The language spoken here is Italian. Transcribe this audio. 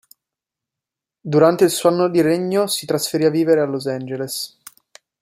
Durante il suo anno di regno si trasferì a vivere a Los Angeles.